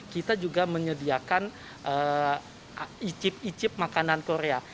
kita juga menyediakan icip icip makanan korea